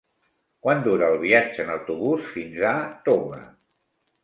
Quant dura el viatge en autobús fins a Toga?